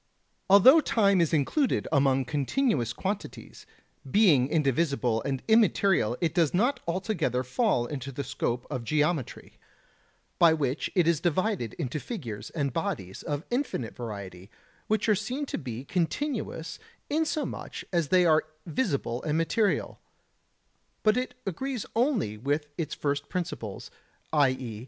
Although time is included among continuous quantities, being indivisible and immaterial it does not altogether fall into the scope of geometry, by which it is divided into figures and bodies of infinite variety, which are seen to be continuous inasmuch as they are visible and material, but it agrees only with its first principles, i.e.